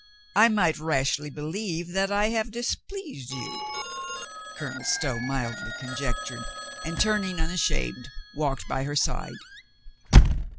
"I might rashly believe that I have displeased you," Colonel Stow mildly conjectured, and turning, unashamed, walked by her side.